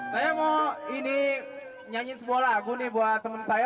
saya mau ini nyanyiin sekolah aku nih buat temen saya